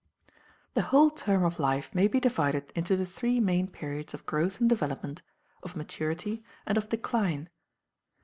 The whole term of life may be divided into the three main periods of growth and development, of maturity, and of decline.